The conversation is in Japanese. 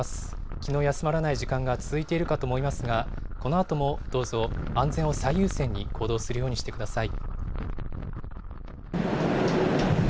気の休まらない時間が続いているかと思いますが、このあともどうぞ、安全を最優先に行動するようにしてください。